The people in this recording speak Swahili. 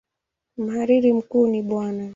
Mhariri mkuu ni Bw.